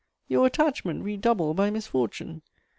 Your attachment redoubled by misfortune!